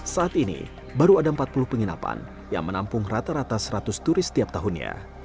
saat ini baru ada empat puluh penginapan yang menampung rata rata seratus turis setiap tahunnya